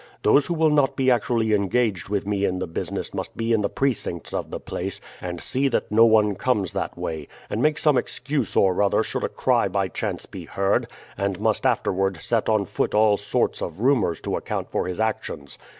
Those who will not be actually engaged with me in the business must be in the precincts of the place, and see that no one comes that way, and make some excuse or other should a cry by chance be heard, and must afterward set on foot all sorts of rumors to account for his actions.